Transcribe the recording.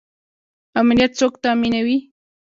امنیت څوک تامینوي؟